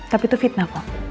tapi itu fitnah kok